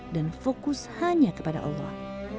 dan fokus hanya kepada allah